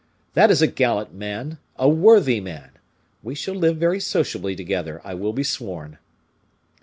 _ That is a gallant man, a worthy man! We shall live very sociably together, I will be sworn."